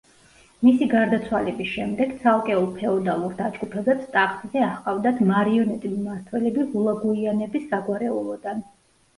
მისი გარდაცვალების შემდეგ ცალკეულ ფეოდალურ დაჯგუფებებს ტახტზე აჰყავდათ მარიონეტი მმართველები ჰულაგუიანების საგვარეულოდან.